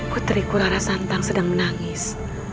putriku lara santang sedang menangis